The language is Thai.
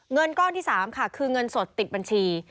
เงินก้อนที่๓ค่ะคือเงินสดติดบัญชี